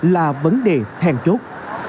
là vấn đề thèn chốt